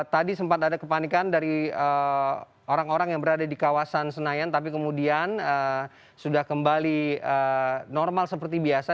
tadi sempat ada kepanikan dari orang orang yang berada di kawasan senayan tapi kemudian sudah kembali normal seperti biasa